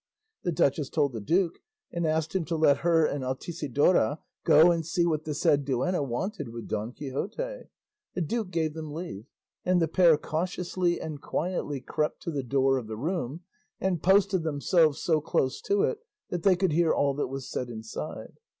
The duchess told the duke, and asked him to let her and Altisidora go and see what the said duenna wanted with Don Quixote. The duke gave them leave, and the pair cautiously and quietly crept to the door of the room and posted themselves so close to it that they could hear all that was said inside.